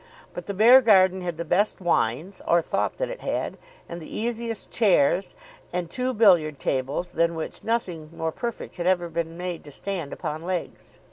But the Beargarden had the best wines, or thought that it had, and the easiest chairs, and two billiard tables than which nothing more perfect had ever been made to stand upon legs.